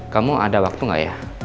kamu ada waktu gak ya